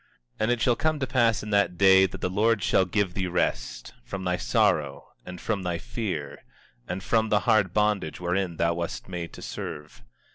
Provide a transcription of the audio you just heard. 24:3 And it shall come to pass in that day that the Lord shall give thee rest, from thy sorrow, and from thy fear, and from the hard bondage wherein thou wast made to serve.